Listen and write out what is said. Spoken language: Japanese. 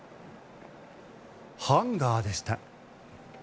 ハンガーでした。